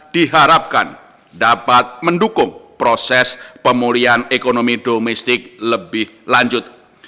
diharapkan dapat mendukung proses pemulihan ekonomi domestik lebih lanjut